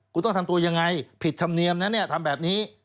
คุณต้องทำตัวยังไงผิดธรรมเนียมนะเนี่ยทำแบบนี้